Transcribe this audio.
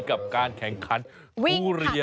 กับการแข่งขันทุเรียน